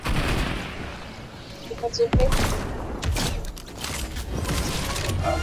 Vyanzo vingi vya uchafuzi wa hewa ni vya kimuundo msingi na